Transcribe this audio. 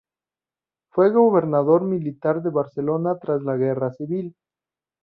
Fue gobernador militar de Barcelona tras la Guerra Civil.